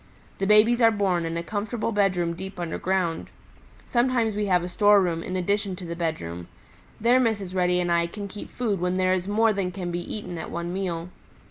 The babies are born in a comfortable bedroom deep underground. Sometimes we have a storeroom in addition to the bedroom; there Mrs. Reddy and I can keep food when there is more than can be eaten at one meal.